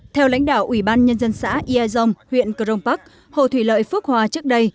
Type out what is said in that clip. theo lãnh đạo ủy ban nhân dân xã ia dông huyện crong park hồ thủy lợi phước hòa trước đây